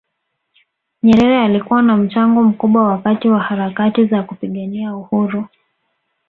nyerere alikuwa na mchango mkubwa wakati wa harakati za kupigania uhuru